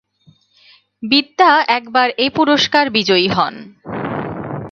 বিদ্যা একবার এ পুরস্কার বিজয়ী হন।